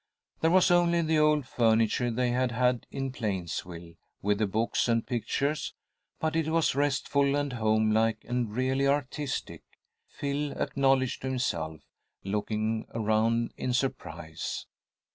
There was only the old furniture they had had in Plainsville, with the books and pictures, but it was restful and homelike and really artistic, Phil acknowledged to himself, looking around in surprise.